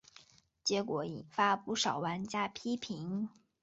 结果引发不少玩家批评。